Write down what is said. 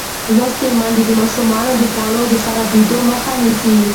لوستې میندې د ماشومانو د خوړو د خرابېدو مخه نیسي.